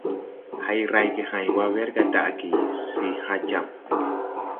Hay rayge hãy wa, wɛrga daʼge se hãã jam.